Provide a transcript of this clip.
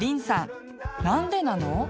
なんでなの？